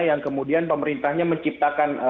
yang kemudian pemerintahnya menciptakan